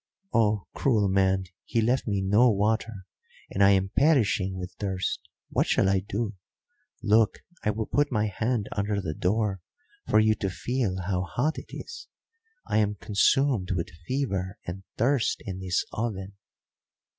"Oh, cruel man! He left me no water, and I am perishing with thirst. What shall I do? Look, I will put my hand under the door for you to feel how hot it is; I am consumed with fever and thirst in this oven."